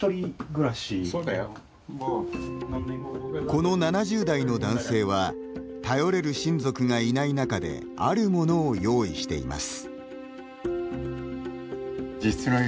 この７０代の男性は頼れる親族がいない中であるものを用意しています。